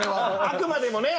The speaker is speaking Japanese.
あくまでもね。